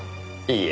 いいえ。